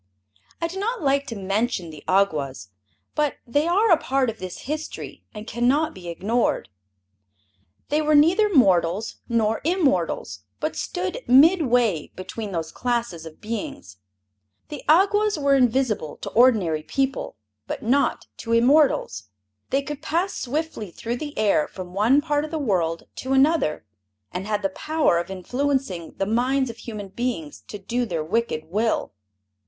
I do not like to mention the Awgwas, but they are a part of this history, and can not be ignored. They were neither mortals nor immortals, but stood midway between those classes of beings. The Awgwas were invisible to ordinary people, but not to immortals. They could pass swiftly through the air from one part of the world to another, and had the power of influencing the minds of human beings to do their wicked will.